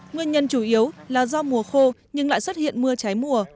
nguyên nhân chủ yếu là do mùa khô nhưng lại xuất hiện mưa cháy mùa